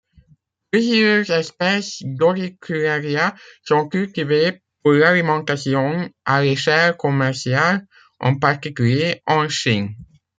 Plusieurs espèces d'Auricularia sont cultivées pour l'alimentation à l'échelle commerciale, en particulier en Chine.